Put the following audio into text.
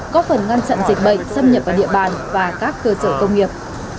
có phần ngăn chặn dịch bệnh xâm nhập vào địa bàn và các cơ sở công nghiệp